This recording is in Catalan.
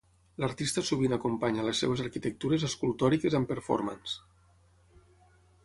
L'artista sovint acompanya les seves arquitectures escultòriques amb performances.